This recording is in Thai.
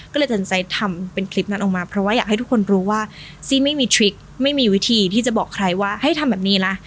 ก็เลยตัดสินใจทำเป็นคลิปนั้นออกมาเพราะว่าอยากให้ทุกคนรู้ว่าซี่ไม่มีทริคไม่มีวิธีที่จะบอกใครว่าให้ทำแบบนี้ละ